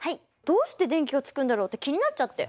どうして電気がつくんだろうって気になっちゃって。